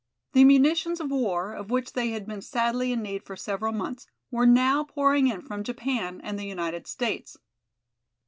The munitions of war, of which they had been sadly in need for several months, were now pouring in from Japan and the United States.